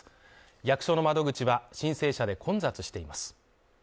役所の窓口は、申請者で混雑しています。